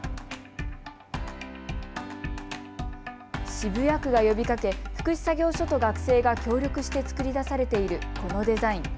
渋谷区が呼びかけ、福祉作業所と学生が協力して作り出されているこのデザイン。